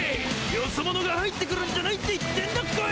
ヨソ者が入ってくるんじゃないって言ってんだコイ！